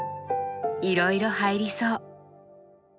いろいろ入りそう。